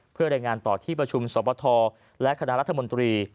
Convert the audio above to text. เพื่อรายงานต่อที่ประชุมสบทและคณะรัฐมนตรี